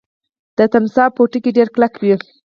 د تمساح پوټکی ډیر کلک وي